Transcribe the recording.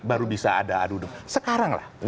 baru bisa ada aduduh sekarang lah